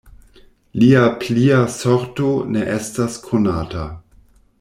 Lia plia sorto ne estas konata.